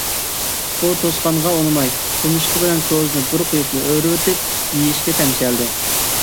ئۇ توسقانغا ئۇنىماي، تۇمشۇقى بىلەن كوزىنى بىر قويۇپلا ئۆرۈۋېتىپ، يېيىشكە تەمشەلدى.